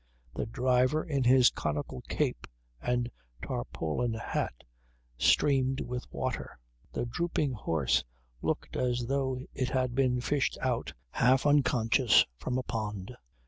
The driver in his conical cape and tarpaulin hat, streamed with water. The drooping horse looked as though it had been fished out, half unconscious, from a pond.